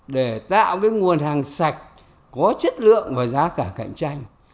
để tạo cái nguồn hàng sạch có chất lượng và giá cả cạnh tranh